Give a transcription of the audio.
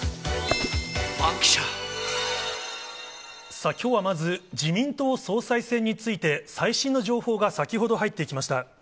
さあ、きょうはまず、自民党総裁選について、最新の情報が先ほど入ってきました。